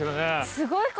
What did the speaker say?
すごい数。